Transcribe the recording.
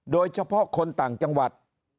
โดยเฉพาะคนต่างจังหวัด